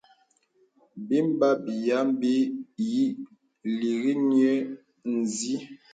Bīmbām biyə̀n bì ï līri niə nzi.